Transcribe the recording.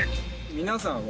皆さんは